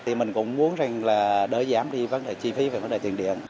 đỡ giảm đi vấn đề chi phí và vấn đề tiền điện